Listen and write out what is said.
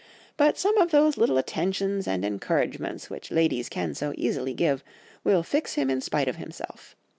But some of those little attentions and encouragements which ladies can so easily give will fix him in spite of himself.